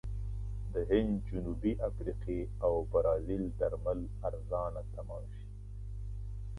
د هند، جنوبي افریقې او برازیل درمل ارزانه تمام شي.